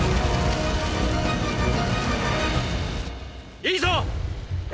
いいぞ！！